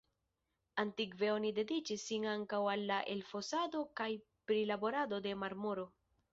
Antikve oni dediĉis sin ankaŭ al la elfosado kaj prilaborado de marmoro.